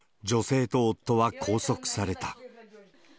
女性と夫は拘束された。